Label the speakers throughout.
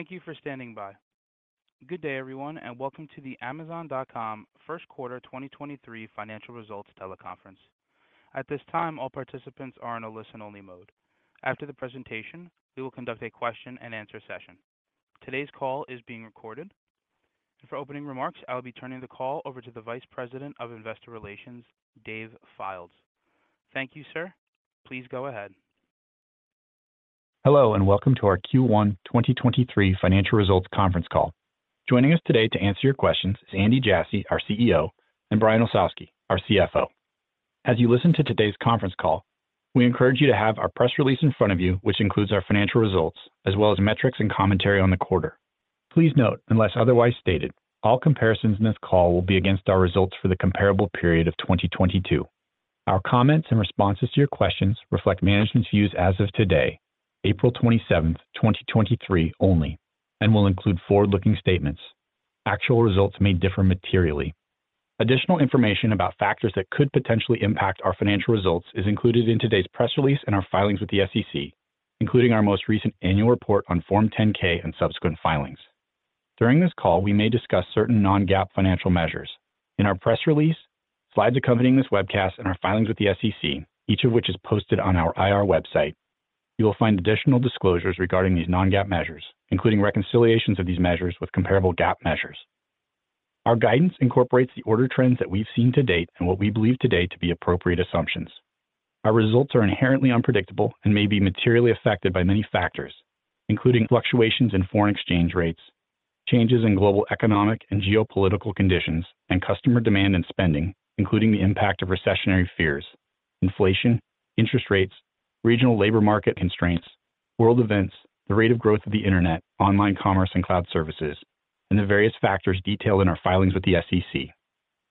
Speaker 1: Thank you for standing by. Good day, everyone. Welcome to the Amazon.com First Quarter 2023 Financial Results Teleconference. At this time, all participants are in a listen-only mode. After the presentation, we will conduct a question-and-answer session. Today's call is being recorded. For opening remarks, I'll be turning the call over to the Vice President of Investor Relations, Dave Fildes. Thank you, sir. Please go ahead.
Speaker 2: Hello, welcome to our Q1 2023 Financial Results Conference Call. Joining us today to answer your questions is Andy Jassy, our CEO, and Brian Olsavsky, our CFO. As you listen to today's conference call, we encourage you to have our press release in front of you, which includes our financial results as well as metrics and commentary on the quarter. Please note, unless otherwise stated, all comparisons in this call will be against our results for the comparable period of 2022. Our comments and responses to your questions reflect management's views as of today, April 27th, 2023, only and will include forward-looking statements. Actual results may differ materially. Additional information about factors that could potentially impact our financial results is included in today's press release and our filings with the SEC, including our most recent annual report on Form 10-K and subsequent filings. During this call, we may discuss certain non-GAAP financial measures. In our press release, slides accompanying this webcast, and our filings with the SEC, each of which is posted on our IR website, you will find additional disclosures regarding these non-GAAP measures, including reconciliations of these measures with comparable GAAP measures. Our guidance incorporates the order trends that we've seen to date and what we believe today to be appropriate assumptions. Our results are inherently unpredictable and may be materially affected by many factors, including fluctuations in foreign exchange rates, changes in global economic and geopolitical conditions, and customer demand and spending, including the impact of recessionary fears, inflation, interest rates, regional labor market constraints, world events, the rate of growth of the Internet, online commerce and cloud services, and the various factors detailed in our filings with the SEC.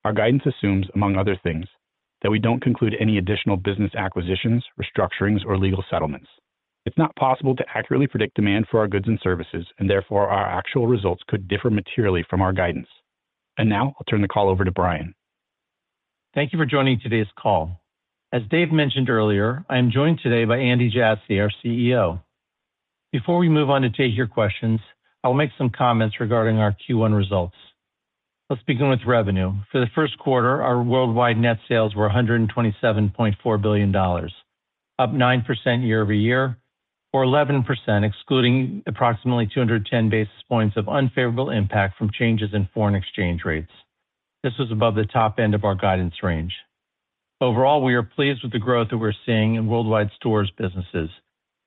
Speaker 2: Our guidance assumes, among other things, that we don't conclude any additional business acquisitions, restructurings, or legal settlements. It's not possible to accurately predict demand for our goods and services, and therefore, our actual results could differ materially from our guidance. Now, I'll turn the call over to Brian.
Speaker 3: Thank you for joining today's call. As Dave mentioned earlier, I am joined today by Andy Jassy, our CEO. Before we move on to take your questions, I will make some comments regarding our Q1 results. Let's begin with revenue. For the first quarter, our worldwide net sales were $127.4 billion, up 9% year-over-year, or 11% excluding approximately 210 basis points of unfavorable impact from changes in foreign exchange rates. This was above the top end of our guidance range. Overall, we are pleased with the growth that we're seeing in worldwide stores businesses,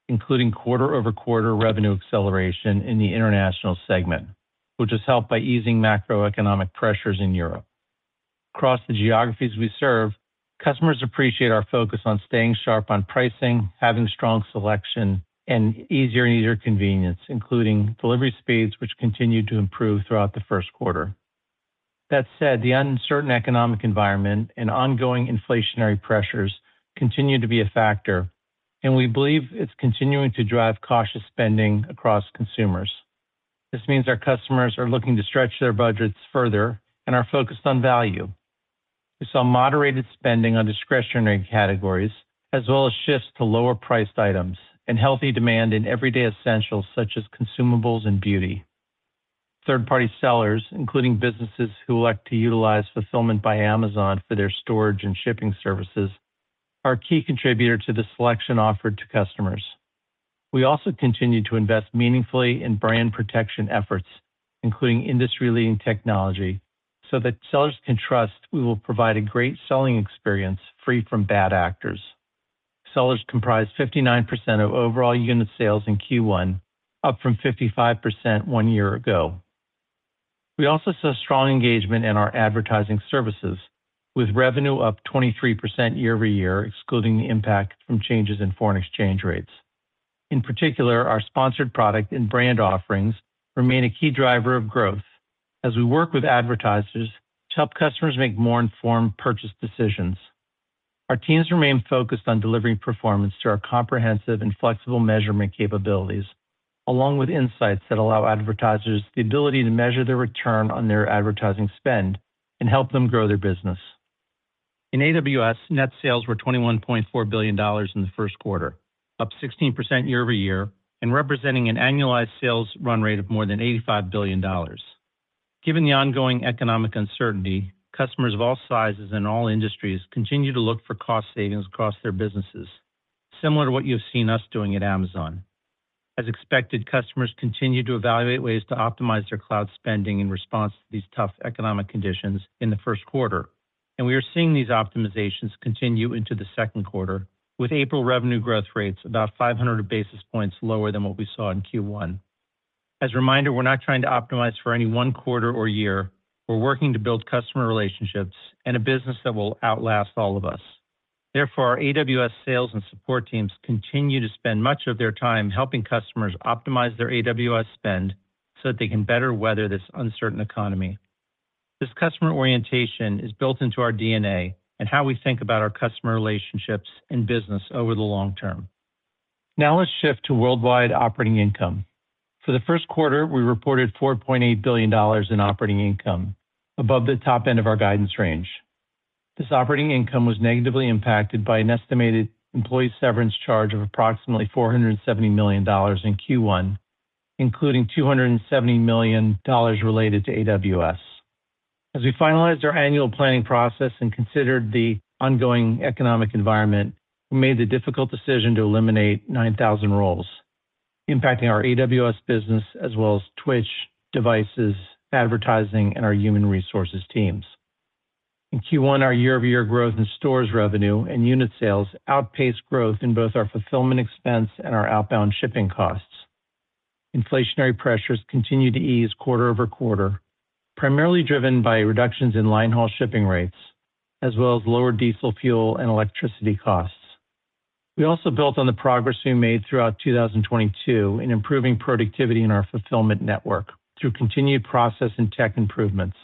Speaker 3: including quarter-over-quarter revenue acceleration in the international segment, which is helped by easing macroeconomic pressures in Europe. Across the geographies we serve, customers appreciate our focus on staying sharp on pricing, having strong selection, and easier and easier convenience, including delivery speeds, which continued to improve throughout the first quarter. That said, the uncertain economic environment and ongoing inflationary pressures continue to be a factor, and we believe it's continuing to drive cautious spending across consumers. This means our customers are looking to stretch their budgets further and are focused on value. We saw moderated spending on discretionary categories, as well as shifts to lower-priced items and healthy demand in everyday essentials such as consumables and beauty. Third-party sellers, including businesses who elect to utilize Fulfillment by Amazon for their storage and shipping services, are a key contributor to the selection offered to customers. We also continue to invest meaningfully in brand protection efforts, including industry-leading technology, so that sellers can trust we will provide a great selling experience free from bad actors. Sellers comprised 59% of overall unit sales in Q1, up from 55% one year ago. We also saw strong engagement in our advertising services, with revenue up 23% year-over-year, excluding the impact from changes in foreign exchange rates. In particular, our sponsored product and brand offerings remain a key driver of growth as we work with advertisers to help customers make more informed purchase decisions. Our teams remain focused on delivering performance through our comprehensive and flexible measurement capabilities, along with insights that allow advertisers the ability to measure their return on their advertising spend and help them grow their business. In AWS, net sales were $21.4 billion in the first quarter, up 16% year-over-year and representing an annualized sales run rate of more than $85 billion. Given the ongoing economic uncertainty, customers of all sizes and all industries continue to look for cost savings across their businesses, similar to what you have seen us doing at Amazon. As expected, customers continued to evaluate ways to optimize their cloud spending in response to these tough economic conditions in the first quarter. We are seeing these optimizations continue into the second quarter, with April revenue growth rates about 500 basis points lower than what we saw in Q1. As a reminder, we're not trying to optimize for any one quarter or year. We're working to build customer relationships and a business that will outlast all of us. Our AWS sales and support teams continue to spend much of their time helping customers optimize their AWS spend so that they can better weather this uncertain economy. This customer orientation is built into our DNA and how we think about our customer relationships and business over the long term. Let's shift to worldwide operating income. For the first quarter, we reported $4.8 billion in operating income, above the top end of our guidance range. This operating income was negatively impacted by an estimated employee severance charge of approximately $470 million in Q1, including $270 million related to AWS. We finalized our annual planning process and considered the ongoing economic environment, we made the difficult decision to eliminate 9,000 roles, impacting our AWS business as well as Twitch, Devices, Advertising, and our Human Resources teams. In Q1, our year-over-year growth in stores revenue and unit sales outpaced growth in both our fulfillment expense and our outbound shipping costs. Inflationary pressures continued to ease quarter-over-quarter, primarily driven by reductions in linehaul shipping rates, as well as lower diesel fuel and electricity costs. We also built on the progress we made throughout 2022 in improving productivity in our fulfillment network through continued process and tech improvements.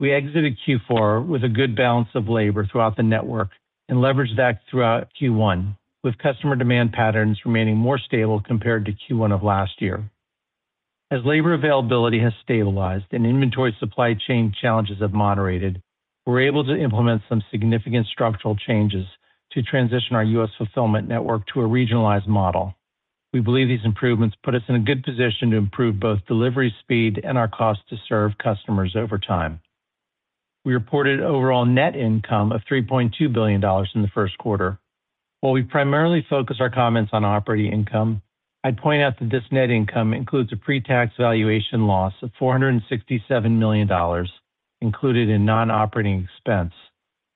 Speaker 3: We exited Q4 with a good balance of labor throughout the network and leveraged that throughout Q1, with customer demand patterns remaining more stable compared to Q1 of last year. As labor availability has stabilized and inventory supply chain challenges have moderated, we're able to implement some significant structural changes to transition our U.S. fulfillment network to a regionalized model. We believe these improvements put us in a good position to improve both delivery speed and our cost to serve customers over time. We reported overall net income of $3.2 billion in the first quarter. While we primarily focus our comments on operating income, I'd point out that this net income includes a pre-tax valuation loss of $467 million included in non-operating expense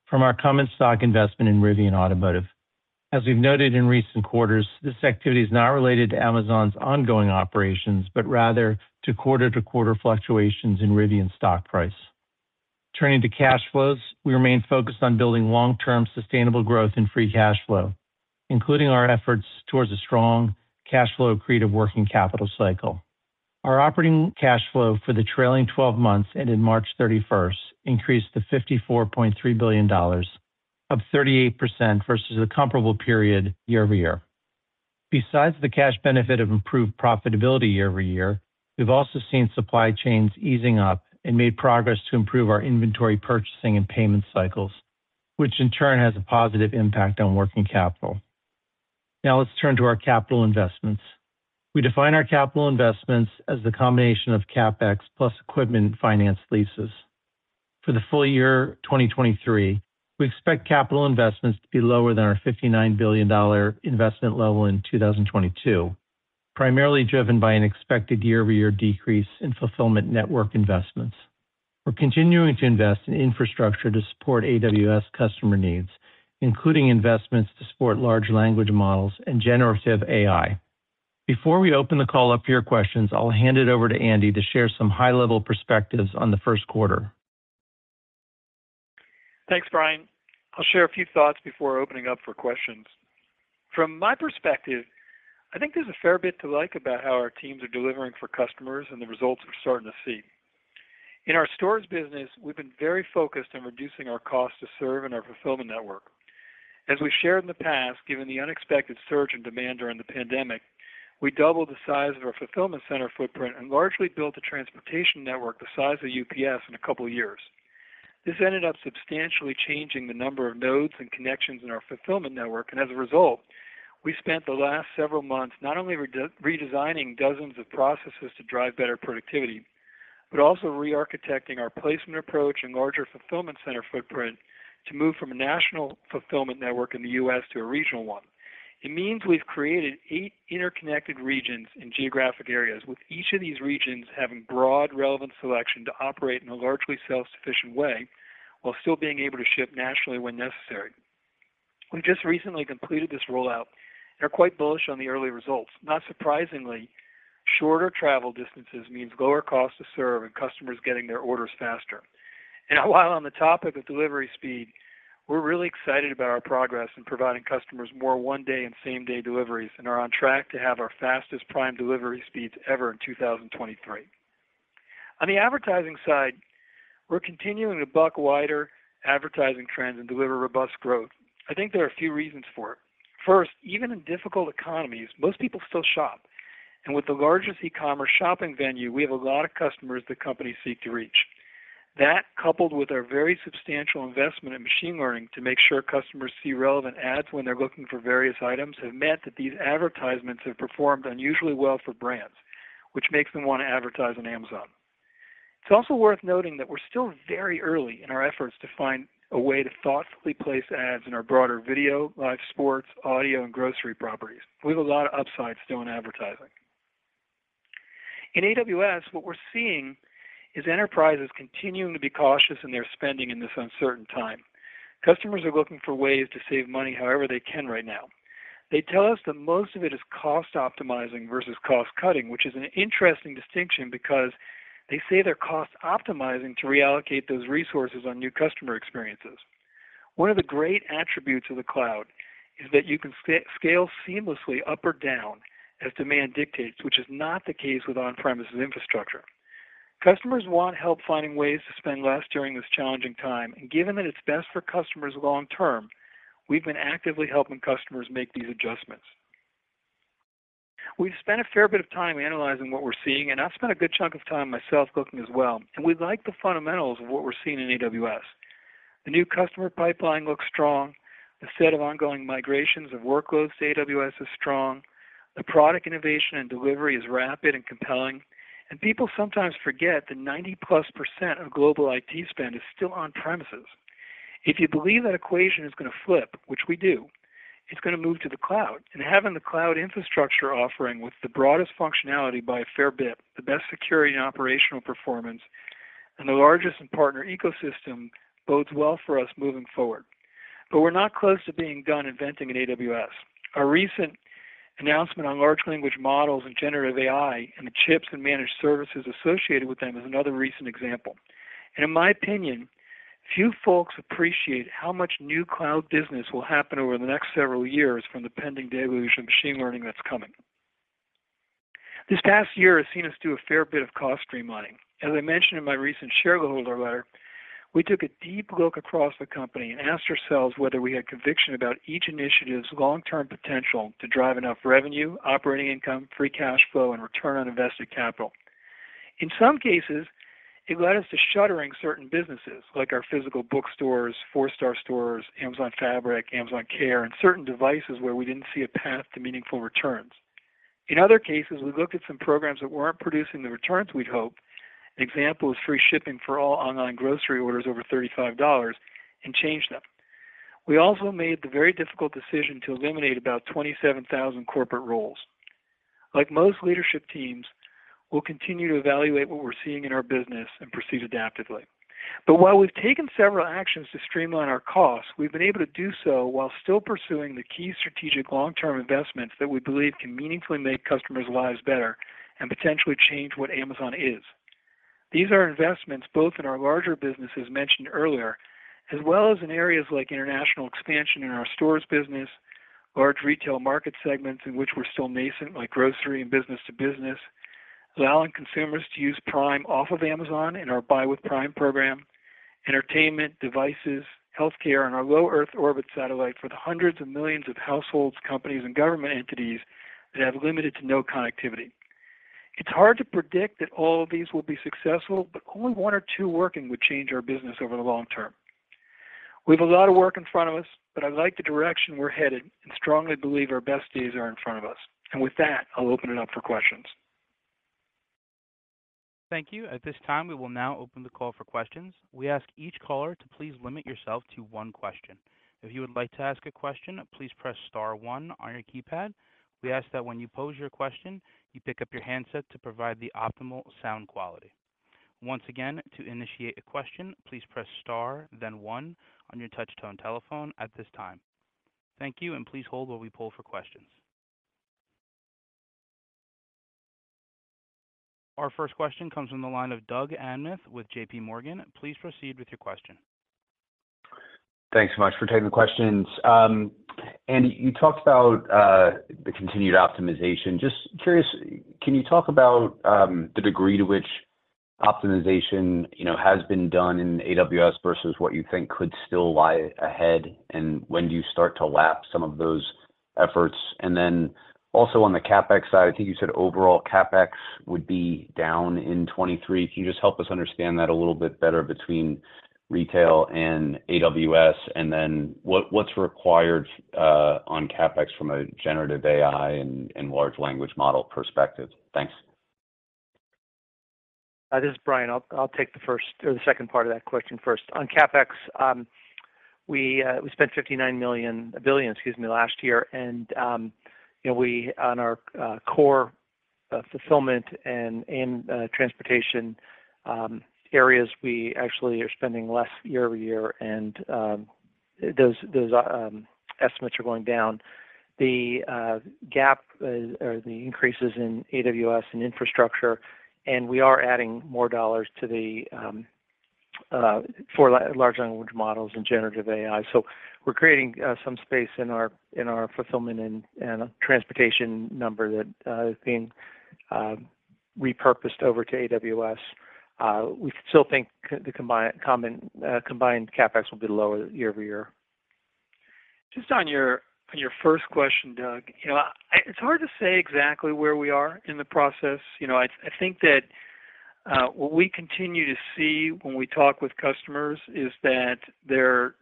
Speaker 3: from our common stock investment in Rivian Automotive. As we've noted in recent quarters, this activity is not related to Amazon's ongoing operations, but rather to quarter-to-quarter fluctuations in Rivian's stock price. Turning to cash flows, we remain focused on building long-term sustainable growth in free cash flow, including our efforts towards a strong cash flow creative working capital cycle. Our operating cash flow for the trailing 12 months and in March 31st increased to $54.3 billion, up 38% versus the comparable period year-over-year. Besides the cash benefit of improved profitability year-over-year, we've also seen supply chains easing up and made progress to improve our inventory purchasing and payment cycles, which in turn has a positive impact on working capital. Now let's turn to our capital investments. We define our capital investments as the combination of CapEx plus equipment finance leases. For the full year 2023, we expect capital investments to be lower than our $59 billion investment level in 2022, primarily driven by an expected year-over-year decrease in fulfillment network investments. We're continuing to invest in infrastructure to support AWS customer needs, including investments to support large language models and generative AI. Before we open the call up for your questions, I'll hand it over to Andy to share some high-level perspectives on the first quarter.
Speaker 4: Thanks, Brian. I'll share a few thoughts before opening up for questions. From my perspective, I think there's a fair bit to like about how our teams are delivering for customers and the results we're starting to see. In our stores business, we've been very focused on reducing our cost to serve in our fulfillment network. As we've shared in the past, given the unexpected surge in demand during the pandemic, we doubled the size of our fulfillment center footprint and largely built a transportation network the size of UPS in a couple of years. This ended up substantially changing the number of nodes and connections in our fulfillment network, and as a result, we spent the last several months not only redesigning dozens of processes to drive better productivity, but also re-architecting our placement approach and larger fulfillment center footprint to move from a national fulfillment network in the U.S. to a regional one. It means we've created eight interconnected regions in geographic areas, with each of these regions having broad relevant selection to operate in a largely self-sufficient way while still being able to ship nationally when necessary. We just recently completed this rollout and are quite bullish on the early results. Not surprisingly, shorter travel distances means lower cost to serve and customers getting their orders faster. While on the topic of delivery speed, we're really excited about our progress in providing customers more one-day and same-day deliveries and are on track to have our fastest Prime delivery speeds ever in 2023. On the Advertising side, we're continuing to buck wider advertising trends and deliver robust growth. I think there are a few reasons for it. First, even in difficult economies, most people still shop. With the largest e-commerce shopping venue, we have a lot of customers that companies seek to reach. That, coupled with our very substantial investment in machine learning to make sure customers see relevant ads when they're looking for various items, have meant that these advertisements have performed unusually well for brands, which makes them want to advertise on Amazon. It's also worth noting that we're still very early in our efforts to find a way to thoughtfully place ads in our broader video, live sports, audio, and grocery properties. We have a lot of upside still in advertising. In AWS, what we're seeing is enterprises continuing to be cautious in their spending in this uncertain time. Customers are looking for ways to save money however they can right now. They tell us that most of it is cost optimizing versus cost cutting, which is an interesting distinction because they say they're cost optimizing to reallocate those resources on new customer experiences. One of the great attributes of the cloud is that you can scale seamlessly up or down as demand dictates, which is not the case with on-premises infrastructure. Customers want help finding ways to spend less during this challenging time. Given that it's best for customers long term, we've been actively helping customers make these adjustments. We've spent a fair bit of time analyzing what we're seeing, and I've spent a good chunk of time myself looking as well. We like the fundamentals of what we're seeing in AWS. The new customer pipeline looks strong. The set of ongoing migrations of workloads to AWS is strong. The product innovation and delivery is rapid and compelling. People sometimes forget that 90%+ of global IT spend is still on-premises. If you believe that equation is gonna flip, which we do, it's gonna move to the cloud. Having the cloud infrastructure offering with the broadest functionality by a fair bit, the best security and operational performance, and the largest in partner ecosystem bodes well for us moving forward. We're not close to being done inventing in AWS. Our recent announcement on large language models and generative AI and the chips and managed services associated with them is another recent example. In my opinion, few folks appreciate how much new cloud business will happen over the next several years from the pending deluge of machine learning that's coming. This past year has seen us do a fair bit of cost streamlining. As I mentioned in my recent shareholder letter, we took a deep look across the company and asked ourselves whether we had conviction about each initiative's long-term potential to drive enough revenue, operating income, free cash flow, and return on invested capital. In some cases, it led us to shuttering certain businesses like our physical bookstores, 4-star stores, Amazon Fabric, Amazon Care, and certain devices where we didn't see a path to meaningful returns. In other cases, we looked at some programs that weren't producing the returns we'd hoped. An example is free shipping for all online grocery orders over $35 and changed them. We also made the very difficult decision to eliminate about 27,000 corporate roles. Like most leadership teams, we'll continue to evaluate what we're seeing in our business and proceed adaptively. While we've taken several actions to streamline our costs, we've been able to do so while still pursuing the key strategic long-term investments that we believe can meaningfully make customers' lives better and potentially change what Amazon is. These are investments both in our larger businesses mentioned earlier, as well as in areas like international expansion in our stores business, large retail market segments in which we're still nascent, like grocery and business to business, allowing consumers to use Prime off of Amazon in our Buy with Prime program, entertainment devices, healthcare, and our low Earth orbit satellite for the hundreds of millions of households, companies, and government entities that have limited to no connectivity. It's hard to predict that all of these will be successful, but only one or two working would change our business over the long term. We have a lot of work in front of us, but I like the direction we're headed and strongly believe our best days are in front of us. With that, I'll open it up for questions.
Speaker 1: Thank you. At this time, we will now open the call for questions. We ask each caller to please limit yourself to one question. If you would like to ask a question, please press star one on your keypad. We ask that when you pose your question, you pick up your handset to provide the optimal sound quality. Once again, to initiate a question, please press star then one on your touch tone telephone at this time. Thank you, and please hold while we poll for questions. Our first question comes from the line of Doug Anmuth with JPMorgan. Please proceed with your question.
Speaker 5: Thanks so much for taking the questions. Andy, you talked about the continued optimization. Just curious, can you talk about the degree to which optimization, you know, has been done in AWS versus what you think could still lie ahead, and when do you start to lap some of those efforts? On the CapEx side, I think you said overall CapEx would be down in 2023. Can you just help us understand that a little bit better between retail and AWS? What's required on CapEx from a generative AI and large language model perspective? Thanks.
Speaker 3: This is Brian. I'll take the first or the second part of that question first. On CapEx, we spent $59 billion last year. You know, we on our core fulfillment and transportation areas, we actually are spending less year-over-year. Those estimates are going down. The gap or the increases in AWS and infrastructure, we are adding more dollars to the for large language models and generative AI. We're creating some space in our in our fulfillment and transportation number that is being repurposed over to AWS. We still think the combined, common, combined CapEx will be lower year-over-year.
Speaker 4: Just on your first question, Doug, you know, it's hard to say exactly where we are in the process. You know, I think that what we continue to see when we talk with customers is that they're,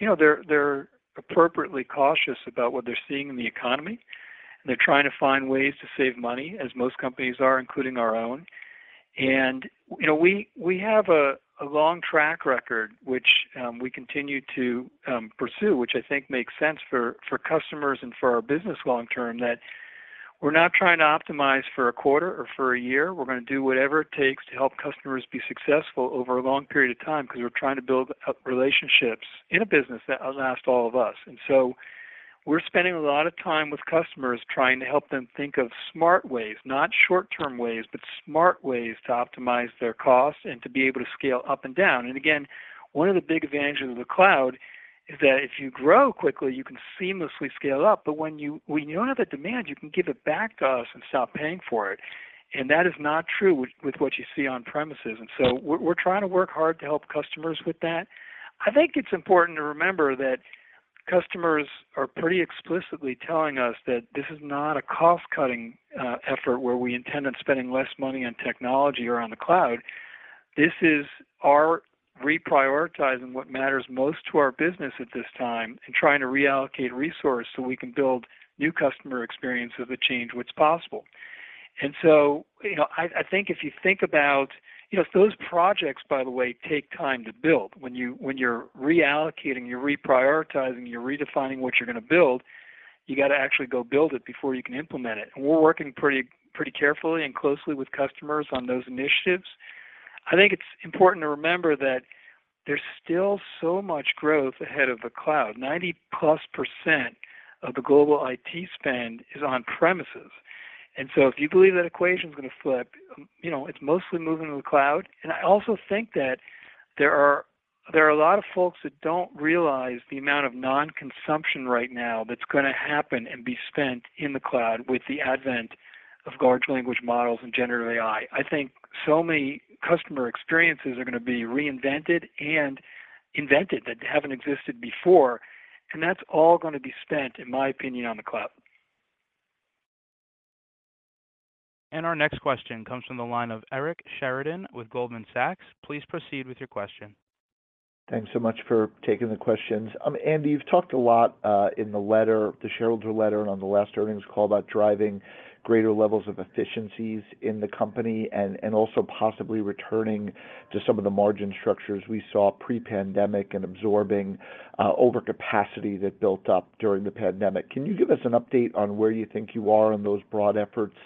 Speaker 4: you know, they're appropriately cautious about what they're seeing in the economy, and they're trying to find ways to save money, as most companies are, including our own. You know, we have a long track record, which we continue to pursue, which I think makes sense for customers and for our business long term, that we're not trying to optimize for a quarter or for a year. We're gonna do whatever it takes to help customers be successful over a long period of time because we're trying to build up relationships in a business that outlasts all of us. We're spending a lot of time with customers trying to help them think of smart ways, not short-term ways, but smart ways to optimize their costs and to be able to scale up and down. Again, one of the big advantages of the cloud is that if you grow quickly, you can seamlessly scale up. When you, when you don't have the demand, you can give it back to us and stop paying for it. That is not true with what you see on premises. We're trying to work hard to help customers with that. I think it's important to remember that customers are pretty explicitly telling us that this is not a cost-cutting effort where we intend on spending less money on technology or on the cloud. This is our reprioritizing what matters most to our business at this time and trying to reallocate resource so we can build new customer experiences that change what's possible. You know, I think if you think about. You know, those projects, by the way, take time to build. When you're reallocating, you're reprioritizing, you're redefining what you're gonna build, you gotta actually go build it before you can implement it. We're working pretty carefully and closely with customers on those initiatives. I think it's important to remember that there's still so much growth ahead of the cloud. 90%+ of the global IT spend is on premises. If you believe that equation is gonna flip, you know, it's mostly moving to the cloud. I also think that there are a lot of folks that don't realize the amount of non-consumption right now that's gonna happen and be spent in the cloud with the advent of large language models and generative AI. I think so many customer experiences are gonna be reinvented and invented that haven't existed before, and that's all gonna be spent, in my opinion, on the cloud.
Speaker 1: Our next question comes from the line of Eric Sheridan with Goldman Sachs. Please proceed with your question.
Speaker 6: Thanks so much for taking the questions. Andy, you've talked a lot in the letter, the shareholder letter, and on the last earnings call about driving greater levels of efficiencies in the company and also possibly returning to some of the margin structures we saw pre-pandemic and absorbing overcapacity that built up during the pandemic. Can you give us an update on where you think you are in those broad efforts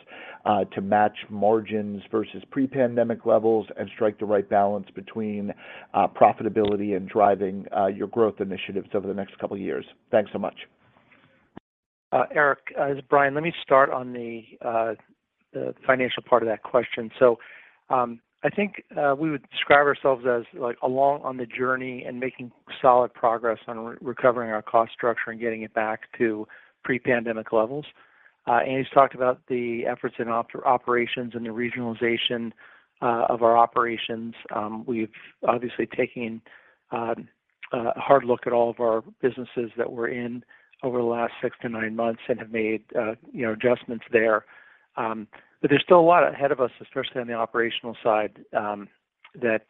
Speaker 6: to match margins versus pre-pandemic levels and strike the right balance between profitability and driving your growth initiatives over the next couple of years? Thanks so much.
Speaker 3: Eric, this is Brian. Let me start on the financial part of that question. I think, we would describe ourselves as, like, along on the journey and making solid progress on recovering our cost structure and getting it back to pre-pandemic levels. Andy's talked about the efforts in operations and the regionalization of our operations. We've obviously taken a hard look at all of our businesses that we're in over the last six to nine months and have made, you know, adjustments there. But there's still a lot ahead of us, especially on the operational side, that,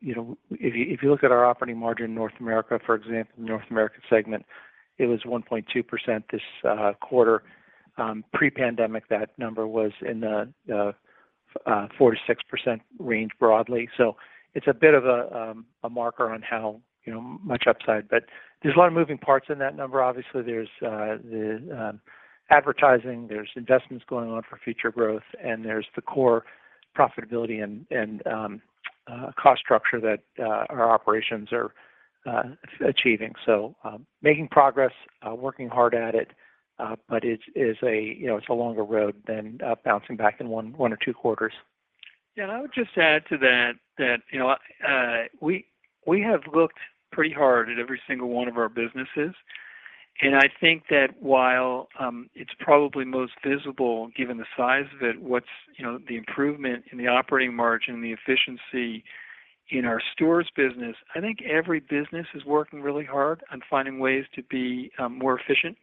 Speaker 3: you know, if you, if you look at our operating margin in North America, for example, North America segment, it was 1.2% this quarter. Pre-pandemic, that number was in the 4% to 6% range broadly. It's a bit of a marker on how, you know, much upside. There's a lot of moving parts in that number. Obviously, there's the advertising, there's investments going on for future growth, and there's the core profitability and cost structure that our operations are achieving. Making progress, working hard at it, but it's a, you know, it's a longer road than bouncing back in one or two quarters.
Speaker 4: Yeah. I would just add to that, you know, we have looked pretty hard at every single one of our businesses, and I think that while it's probably most visible, given the size of it, what's, you know, the improvement in the operating margin and the efficiency in our stores business. I think every business is working really hard on finding ways to be more efficient.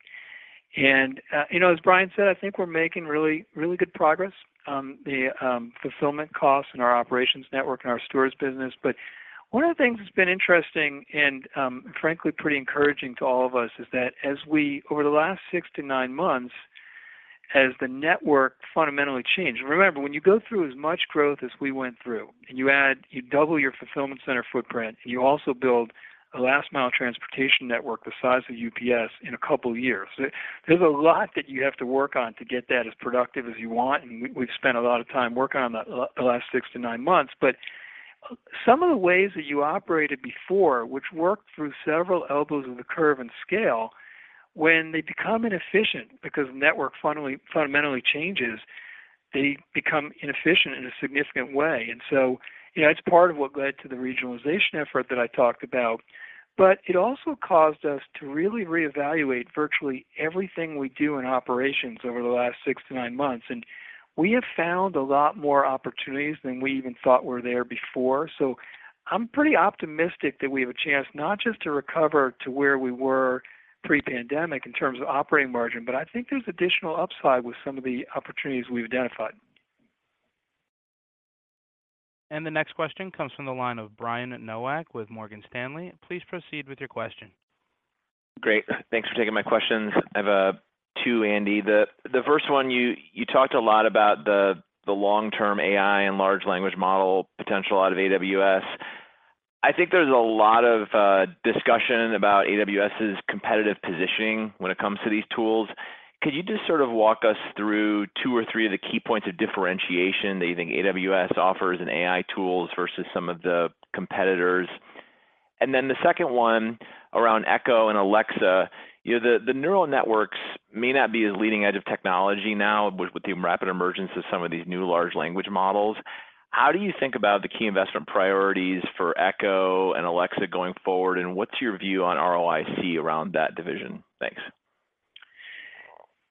Speaker 4: You know, as Brian said, I think we're making really, really good progress, the fulfillment costs and our operations network and our stores business. One of the things that's been interesting and, frankly, pretty encouraging to all of us is that over the last six to nine months, as the network fundamentally changed. Remember, when you go through as much growth as we went through, you double your fulfillment center footprint, and you also build a last mile transportation network the size of UPS in a couple of years, there's a lot that you have to work on to get that as productive as you want, and we've spent a lot of time working on that the last six to nine months. Some of the ways that you operated before, which worked through several elbows of the curve and scale, when they become inefficient because the network fundamentally changes, they become inefficient in a significant way. You know, it's part of what led to the regionalization effort that I talked about. It also caused us to really reevaluate virtually everything we do in operations over the last six to nine months. We have found a lot more opportunities than we even thought were there before. I'm pretty optimistic that we have a chance not just to recover to where we were pre-pandemic in terms of operating margin, but I think there's additional upside with some of the opportunities we've identified.
Speaker 1: The next question comes from the line of Brian Nowak with Morgan Stanley. Please proceed with your question.
Speaker 7: Great. Thanks for taking my questions. I have two, Andy. The first one, you talked a lot about the long-term AI and large language model potential out of AWS. I think there's a lot of discussion about AWS's competitive positioning when it comes to these tools. Could you just sort of walk us through two or three of the key points of differentiation that you think AWS offers in AI tools versus some of the competitors? The second one around Echo and Alexa. You know, the neural networks may not be the leading edge of technology now with the rapid emergence of some of these new large language models. How do you think about the key investment priorities for Echo and Alexa going forward, and what's your view on ROIC around that division? Thanks.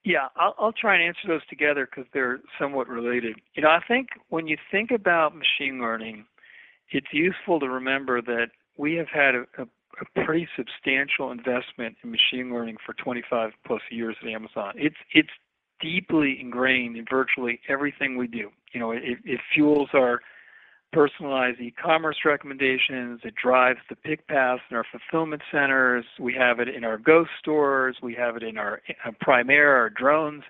Speaker 4: Yeah. I'll try and answer those together because they're somewhat related. You know, I think when you think about machine learning, it's useful to remember that we have had a pretty substantial investment in machine learning for 25+ years at Amazon. It's deeply ingrained in virtually everything we do. You know, it fuels our personalized e-commerce recommendations. It drives the pick paths in our fulfillment centers. We have it in our Go stores. We have it in our Prime Air, our drones.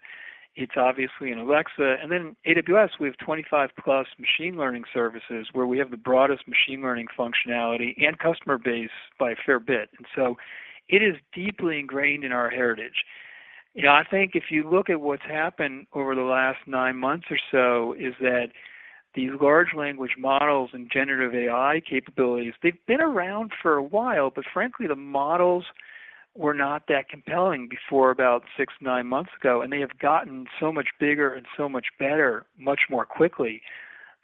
Speaker 4: It's obviously in Alexa. AWS, we have 25+ machine learning services where we have the broadest machine learning functionality and customer base by a fair bit. It is deeply ingrained in our heritage. You know, I think if you look at what's happened over the last nine months or so, is that these large language models and generative AI capabilities, they've been around for a while, but frankly, the models were not that compelling before about six to nine months ago. They have gotten so much bigger and so much better, much more quickly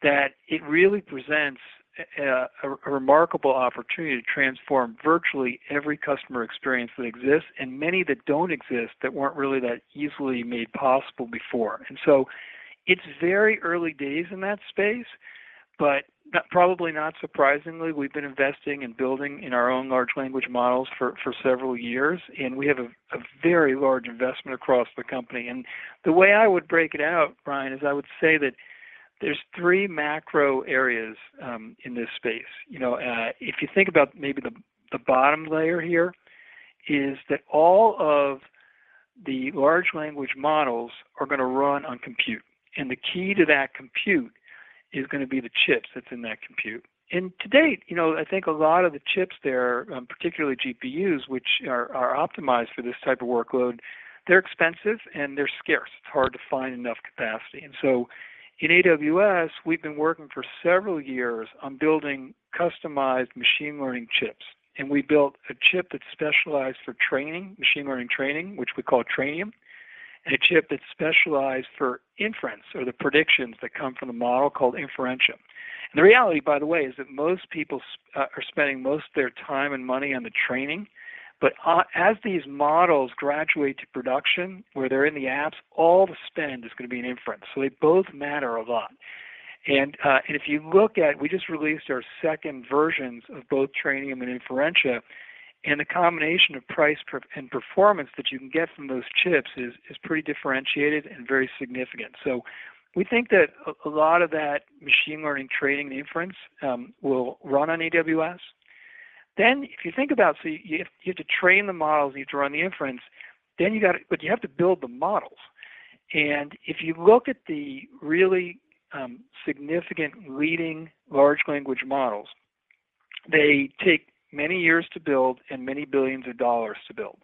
Speaker 4: that it really presents a remarkable opportunity to transform virtually every customer experience that exists and many that don't exist that weren't really that easily made possible before. It's very early days in that space, but probably not surprisingly, we've been investing and building in our own large language models for several years, and we have a very large investment across the company. The way I would break it out, Brian, is I would say that there's three macro areas in this space. You know, if you think about maybe the bottom layer here is that all of the large language models are gonna run on compute, and the key to that compute is gonna be the chips that's in that compute. To date, you know, I think a lot of the chips there, particularly GPUs, which are optimized for this type of workload, they're expensive and they're scarce. It's hard to find enough capacity. So in AWS, we've been working for several years on building customized machine learning chips. We built a chip that's specialized for training, machine learning training, which we call Trainium, and a chip that's specialized for inference or the predictions that come from the model called Inferentia. The reality, by the way, is that most people are spending most of their time and money on the training, but as these models graduate to production, where they're in the apps, all the spend is gonna be in inference. They both matter a lot. If you look at, we just released our second versions of both Trainium and Inferentia, and the combination of price and performance that you can get from those chips is pretty differentiated and very significant. We think that a lot of that machine learning training inference will run on AWS. If you think about, so you have to train the models, you have to run the inference, then you have to build the models. If you look at the really significant leading large language models, they take many years to build and many billions of dollars to build.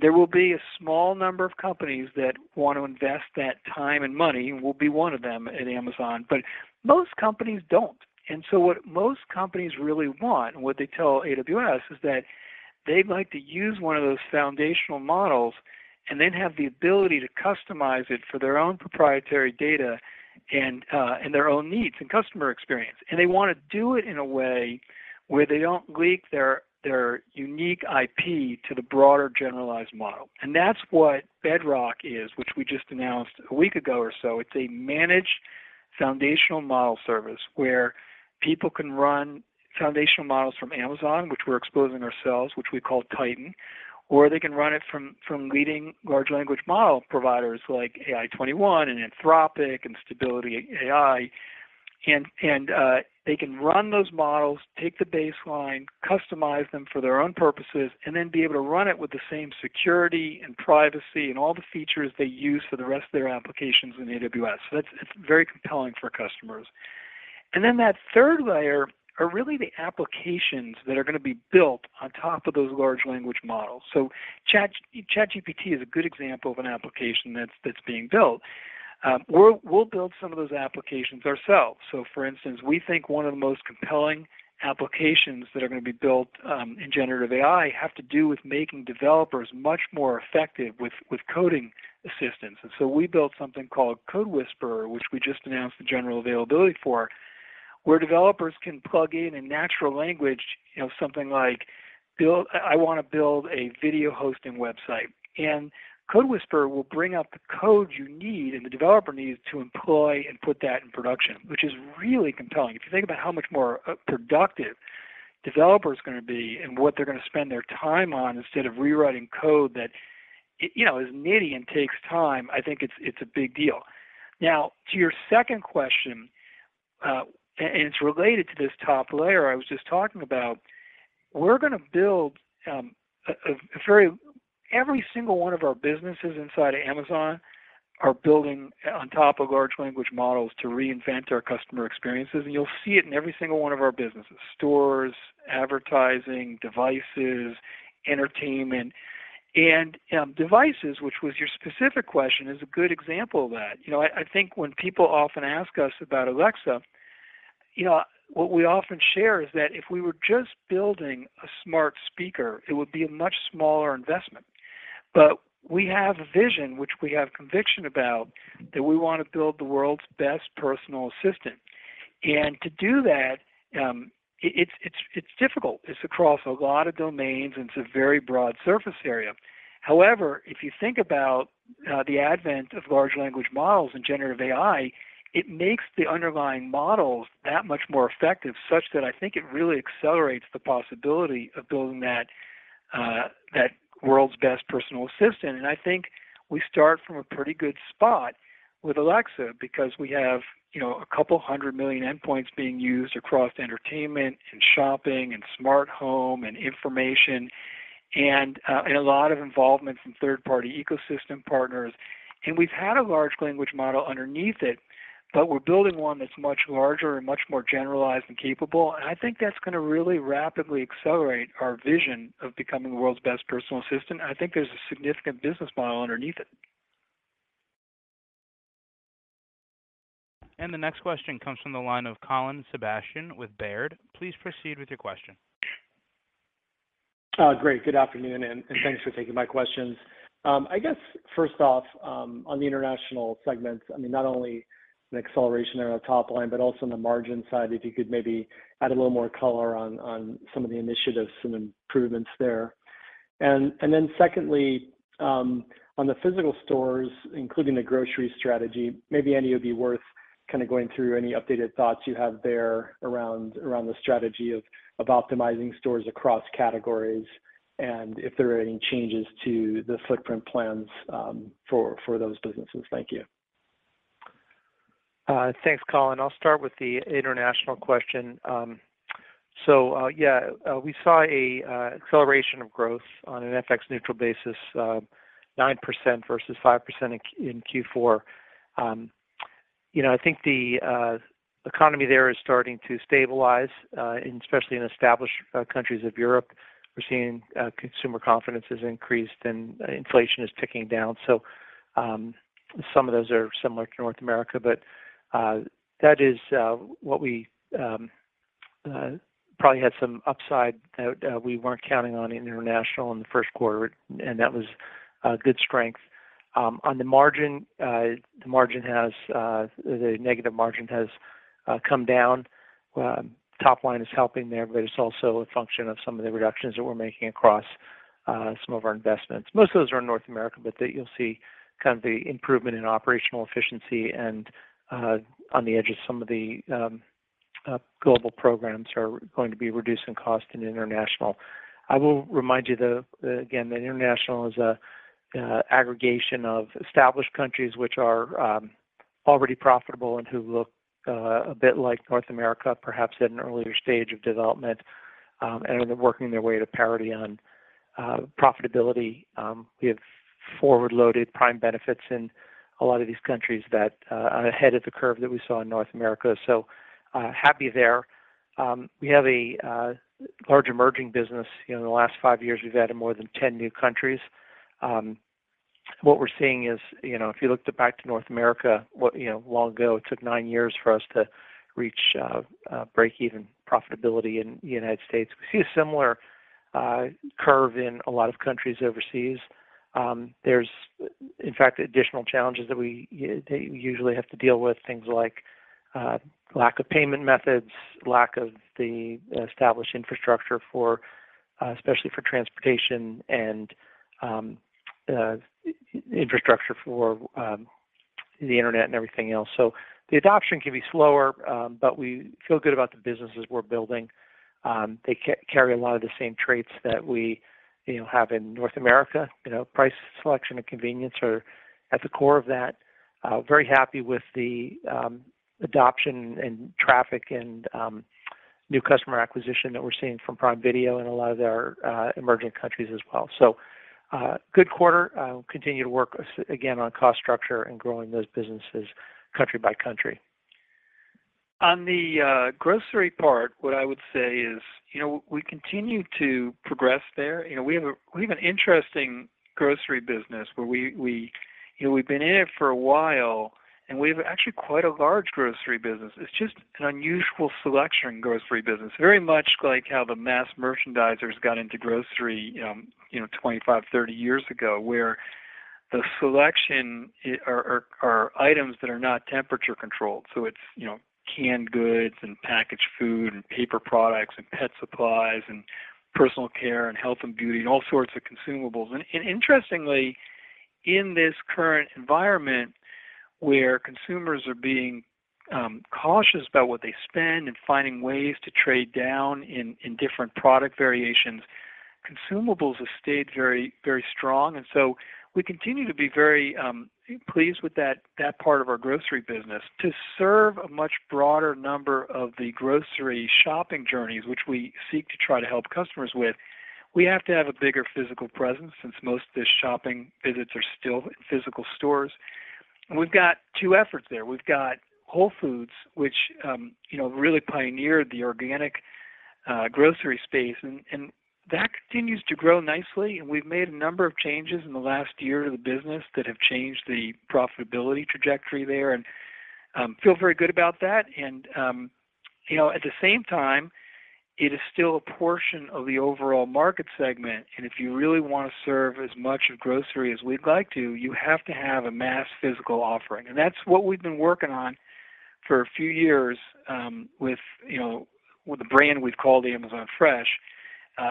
Speaker 4: There will be a small number of companies that want to invest that time and money, and we'll be one of them at Amazon, but most companies don't. What most companies really want and what they tell AWS is that they'd like to use one of those foundational models and then have the ability to customize it for their own proprietary data and their own needs and customer experience. They wanna do it in a way where they don't leak their unique IP to the broader generalized model. That's what Bedrock is, which we just announced a week ago or so. It's a managed foundational model service where people can run foundational models from Amazon, which we're exposing ourselves, which we call Titan, or they can run it from leading large language model providers like AI21 and Anthropic and Stability AI. They can run those models, take the baseline, customize them for their own purposes, and then be able to run it with the same security and privacy and all the features they use for the rest of their applications in AWS. It's very compelling for customers. That third layer are really the applications that are gonna be built on top of those large language models. ChatGPT is a good example of an application that's being built. We'll build some of those applications ourselves. For instance, we think one of the most compelling applications that are gonna be built in generative AI have to do with making developers much more effective with coding assistance. We built something called CodeWhisperer, which we just announced the general availability for, where developers can plug in natural language, you know, something like I wanna build a video hosting website. CodeWhisperer will bring up the code you need and the developer needs to employ and put that in production, which is really compelling. If you think about how much more productive developer is gonna be and what they're gonna spend their time on instead of rewriting code that, you know, is nitty and takes time, I think it's a big deal. To your second question, and it's related to this top layer I was just talking about. We're gonna build. Every single one of our businesses inside of Amazon are building on top of large language models to reinvent our customer experiences, you'll see it in every single one of our businesses, stores, advertising, devices, entertainment. Devices, which was your specific question, is a good example of that. You know, I think when people often ask us about Alexa, you know, what we often share is that if we were just building a smart speaker, it would be a much smaller investment. We have a vision, which we have conviction about, that we wanna build the world's best personal assistant. To do that, it's difficult. It's across a lot of domains, and it's a very broad surface area. If you think about the advent of large language models and generative AI, it makes the underlying models that much more effective, such that I think it really accelerates the possibility of building that world's best personal assistant. I think we start from a pretty good spot with Alexa because we have, you know, a couple hundred million endpoints being used across entertainment and shopping and smart home and information and a lot of involvement from third-party ecosystem partners. We've had a large language model underneath it, but we're building one that's much larger and much more generalized and capable. I think that's gonna really rapidly accelerate our vision of becoming the world's best personal assistant, and I think there's a significant business model underneath it.
Speaker 1: The next question comes from the line of Colin Sebastian with Baird. Please proceed with your question.
Speaker 8: Great. Good afternoon, and thanks for taking my questions. I guess first off, on the international segments, I mean, not only an acceleration there on the top line, but also on the margin side, if you could maybe add a little more color on some of the initiatives, some improvements there. Secondly, on the physical stores, including the grocery strategy, maybe Andy it would be worth kind of going through any updated thoughts you have there around the strategy of optimizing stores across categories and if there are any changes to the footprint plans, for those businesses. Thank you.
Speaker 3: Thanks, Colin. I'll start with the international question. We saw a acceleration of growth on an FX neutral basis, 9% versus 5% in Q4. You know, I think the economy there is starting to stabilize, and especially in established countries of Europe. We're seeing consumer confidence has increased and inflation is ticking down. Some of those are similar to North America, that is what we probably had some upside that we weren't counting on in international in the first quarter, and that was good strength. On the margin, the negative margin has come down. Top line is helping there, but it's also a function of some of the reductions that we're making across some of our investments. Most of those are in North America, but that you'll see kind of the improvement in operational efficiency and on the edge of some of the global programs are going to be reducing cost in international. I will remind you that, again, that international is a aggregation of established countries which are already profitable and who look a bit like North America, perhaps at an earlier stage of development, and are working their way to parity on profitability. We have forward-loaded Prime benefits in a lot of these countries that are ahead of the curve that we saw in North America, so happy there. We have a large emerging business. You know, in the last five years, we've added more than 10 new countries. What we're seeing is, you know, if you looked back to North America, what, you know, long ago, it took nine years for us to reach break-even profitability in United States. We see a similar curve in a lot of countries overseas. There's in fact additional challenges that you usually have to deal with, things like lack of payment methods, lack of the established infrastructure for especially for transportation and infrastructure for the internet and everything else. The adoption can be slower, but we feel good about the businesses we're building. They carry a lot of the same traits that we, you know, have in North America. You know, price, selection, and convenience are at the core of that. Very happy with the adoption and traffic and new customer acquisition that we're seeing from Prime Video in a lot of their emerging countries as well. Good quarter. We'll continue to work again on cost structure and growing those businesses country by country.
Speaker 4: On the grocery part, what I would say is, you know, we continue to progress there. You know, we have an interesting grocery business where we, you know, we've been in it for a while and we have actually quite a large grocery business. It's just an unusual selection grocery business. Very much like how the mass merchandisers got into grocery, you know, 25, 30 years ago, where the selection or items that are not temperature controlled, so it's, you know, canned goods and packaged food and paper products and pet supplies and personal care and health and beauty and all sorts of consumables. Interestingly, in this current environment where consumers are being cautious about what they spend and finding ways to trade down in different product variations, consumables have stayed very strong, and so we continue to be very pleased with that part of our grocery business. To serve a much broader number of the grocery shopping journeys, which we seek to try to help customers with, we have to have a bigger physical presence since most of the shopping visits are still in physical stores. We've got two efforts there. We've got Whole Foods, which, you know, really pioneered the organic grocery space and that continues to grow nicely. We've made a number of changes in the last year to the business that have changed the profitability trajectory there and feel very good about that. You know, at the same time, it is still a portion of the overall market segment, and if you really wanna serve as much of grocery as we'd like to, you have to have a mass physical offering. That's what we've been working on for a few years, with, you know, with the brand we'd call the Amazon Fresh.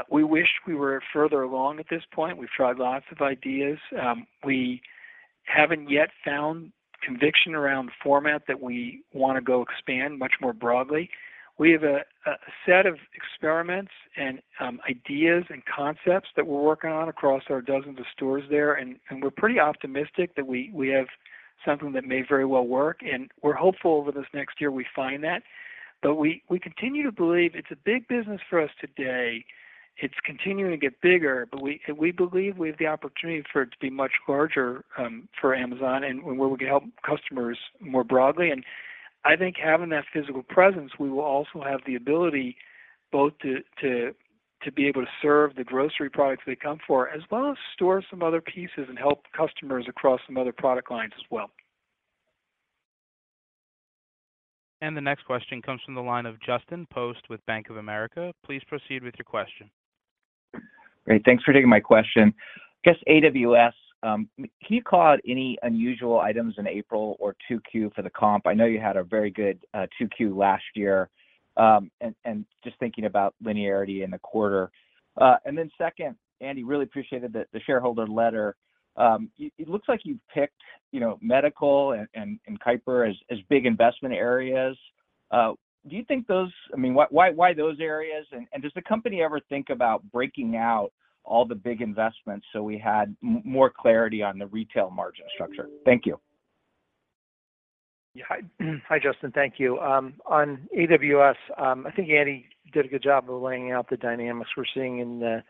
Speaker 4: We wish we were further along at this point. We've tried lots of ideas. We haven't yet found conviction around format that we wanna go expand much more broadly. We have a set of experiments and ideas and concepts that we're working on across our dozens of stores there, and we're pretty optimistic that we have something that may very well work, and we're hopeful over this next year we find that. We continue to believe it's a big business for us today. It's continuing to get bigger, but we believe we have the opportunity for it to be much larger for Amazon and where we can help customers more broadly. I think having that physical presence, we will also have the ability both to be able to serve the grocery products they come for, as well as store some other pieces and help customers across some other product lines as well.
Speaker 1: The next question comes from the line of Justin Post with Bank of America. Please proceed with your question.
Speaker 9: Great. Thanks for taking my question. I guess AWS, can you call out any unusual items in April or 2Q for the comp? I know you had a very good 2Q last year, and just thinking about linearity in the quarter. Then second, Andy, really appreciated the shareholder letter. It looks like you've picked, you know, medical and Kuiper as big investment areas. Do you think those? I mean, why those areas? Does the company ever think about breaking out all the big investments, so we had more clarity on the retail margin structure? Thank you.
Speaker 3: Hi, Justin. Thank you. On AWS, I think Andy did a good job of laying out the dynamics we're seeing in the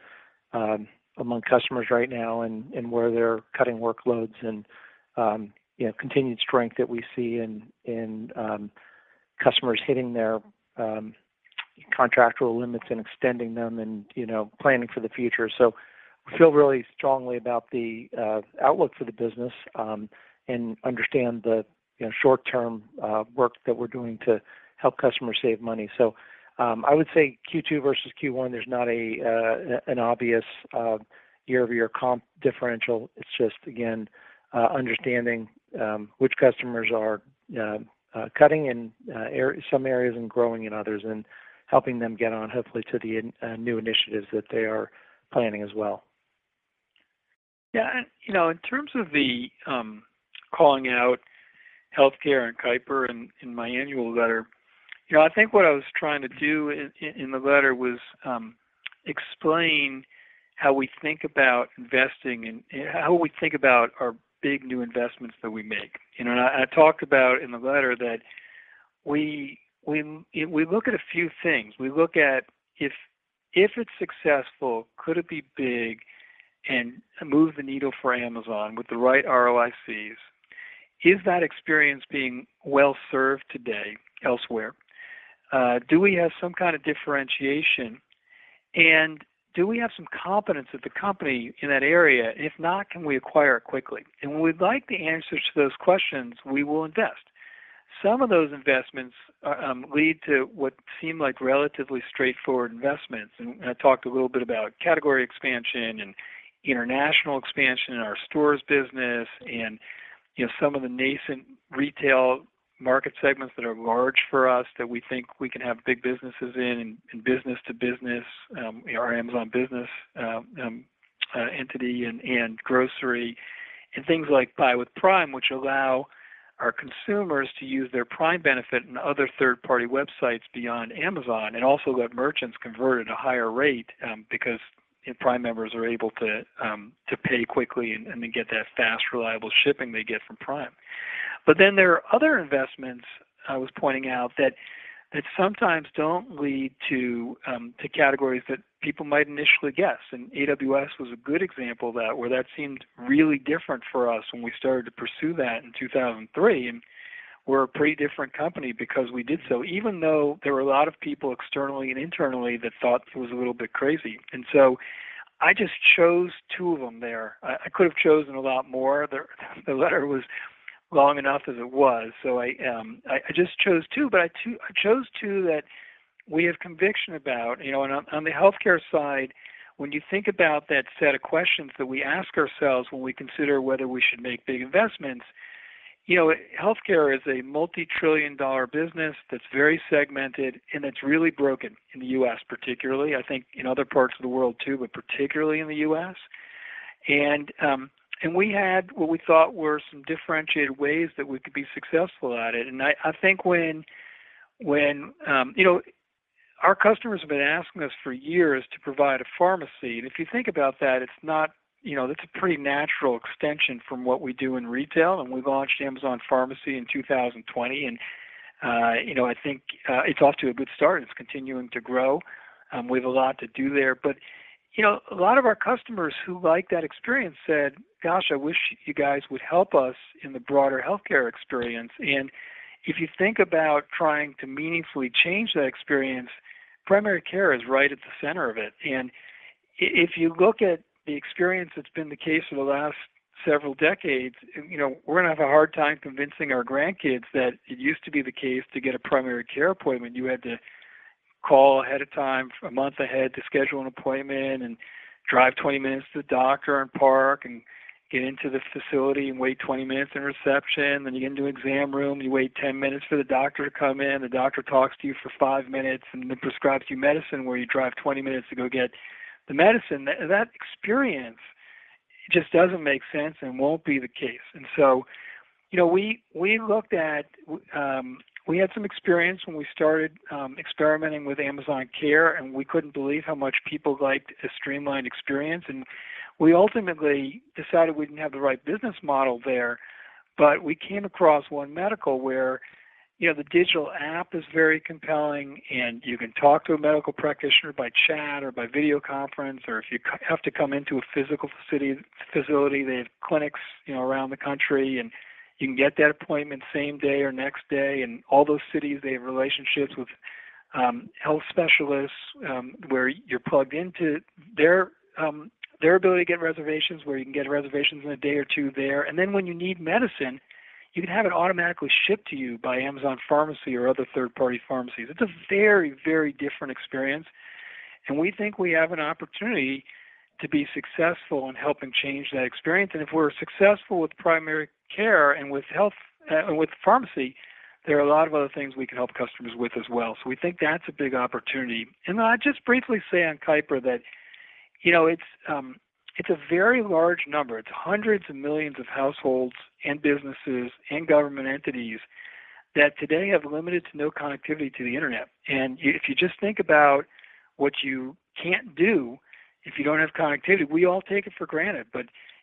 Speaker 3: among customers right now and where they're cutting workloads, you know, continued strength that we see in customers hitting their contractual limits and extending them and, you know, planning for the future. We feel really strongly about the outlook for the business and understand the, you know, short-term work that we're doing to help customers save money. I would say Q2 versus Q1, there's not an obvious year-over-year comp differential. It's just, again, understanding which customers are cutting in some areas and growing in others and helping them get on hopefully to the new initiatives that they are planning as well.
Speaker 4: Yeah. You know, in terms of the calling out healthcare and Kuiper in my annual letter, you know, I think what I was trying to do in the letter was explain how we think about investing and how we think about our big new investments that we make. You know, I talked about in the letter that we look at a few things. We look at if it's successful, could it be big and move the needle for Amazon with the right ROICs? Is that experience being well-served today elsewhere? Do we have some kind of differentiation? Do we have some competence at the company in that area? If not, can we acquire it quickly? When we'd like the answers to those questions, we will invest. Some of those investments, lead to what seem like relatively straightforward investments. I talked a little bit about category expansion and international expansion in our stores business and, you know, some of the nascent retail market segments that are large for us that we think we can have big businesses in business to business, you know, our Amazon Business entity and grocery and things like Buy with Prime, which allow our consumers to use their Prime benefit in other third-party websites beyond Amazon, and also let merchants convert at a higher rate, because Prime members are able to pay quickly and then get that fast, reliable shipping they get from Prime. There are other investments I was pointing out that sometimes don't lead to categories that people might initially guess. AWS was a good example of that, where that seemed really different for us when we started to pursue that in 2003, and we're a pretty different company because we did so, even though there were a lot of people externally and internally that thought it was a little bit crazy. So I just chose two of them there. I could have chosen a lot more. The letter was long enough as it was, so I just chose two. I chose two that we have conviction about. You know, on the healthcare side, when you think about that set of questions that we ask ourselves when we consider whether we should make big investments, you know, healthcare is a multi-trillion dollar business that's very segmented, and it's really broken in the U.S. particularly. I think in other parts of the world too, but particularly in the U.S.. We had what we thought were some differentiated ways that we could be successful at it. I think when you know, our customers have been asking us for years to provide a pharmacy. If you think about that, it's not, you know, that's a pretty natural extension from what we do in retail. We've launched Amazon Pharmacy in 2020. You know, I think it's off to a good start, and it's continuing to grow. We have a lot to do there. You know, a lot of our customers who like that experience said, "Gosh, I wish you guys would help us in the broader healthcare experience." If you think about trying to meaningfully change that experience, primary care is right at the center of it. If you look at the experience that's been the case for the last several decades, you know, we're gonna have a hard time convincing our grandkids that it used to be the case to get a primary care appointment, you had to call ahead of time a month ahead to schedule an appointment and drive 20 minutes to the doctor and park and get into this facility and wait 20 minutes in reception. You get into exam room, you wait 10 minutes for the doctor to come in. The doctor talks to you for five minutes, and then prescribes you medicine, where you drive 20 minutes to go get the medicine. That experience just doesn't make sense and won't be the case. You know, we looked at, we had some experience when we started experimenting with Amazon Care, and we couldn't believe how much people liked a streamlined experience. We ultimately decided we didn't have the right business model there, but we came across One Medical where, you know, the digital app is very compelling, and you can talk to a medical practitioner by chat or by video conference, or if you have to come into a physical facility, they have clinics, you know, around the country, and you can get that appointment same day or next day. In all those cities, they have relationships with health specialists, where you're plugged into their ability to get reservations, where you can get reservations in a day or two there. Then when you need medicine, you can have it automatically shipped to you by Amazon Pharmacy or other third-party pharmacies. It's a very, very different experience, and we think we have an opportunity to be successful in helping change that experience. If we're successful with primary care and with health, and with pharmacy, there are a lot of other things we can help customers with as well. We think that's a big opportunity. I'll just briefly say on Kuiper that, you know, it's a very large number. It's hundreds of millions of households and businesses and government entities that today have limited to no connectivity to the Internet. If you just think about what you can't do if you don't have connectivity, we all take it for granted.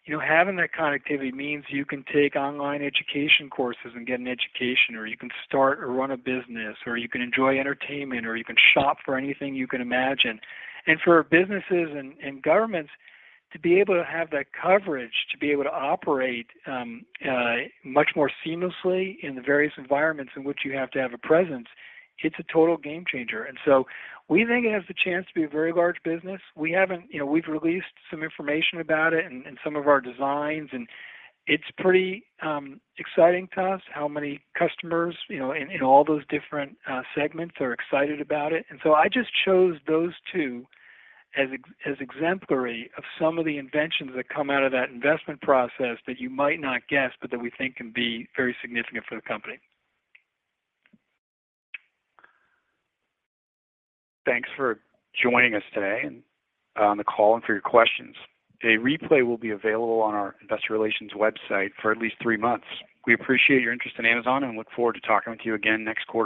Speaker 4: You know, having that connectivity means you can take online education courses and get an education, or you can start or run a business, or you can enjoy entertainment, or you can shop for anything you can imagine. For businesses and governments to be able to have that coverage, to be able to operate much more seamlessly in the various environments in which you have to have a presence, it's a total game changer. We think it has the chance to be a very large business. We haven't, you know, we've released some information about it and some of our designs, and it's pretty exciting to us how many customers, you know, in all those different segments are excited about it. I just chose those two as exemplary of some of the inventions that come out of that investment process that you might not guess, but that we think can be very significant for the company.
Speaker 2: Thanks for joining us today and on the call and for your questions. A replay will be available on our Investor Relations website for at least three months. We appreciate your interest in Amazon and look forward to talking with you again next quarter.